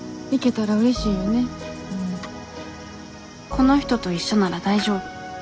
この人と一緒なら大丈夫。